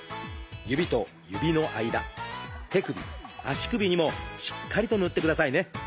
指と指の間手首足首にもしっかりと塗ってくださいね。